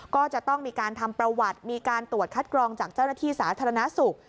ก็จะต้องมีการทำประวัติมีการตรวจคัดกรองจากเจ้าหน้าที่สาธารณสุข